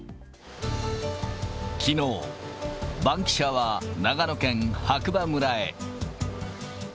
きのう、バンキシャは長野県白馬村へ。